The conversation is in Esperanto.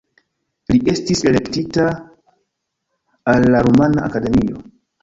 Li estis elektita al la Rumana Akademio.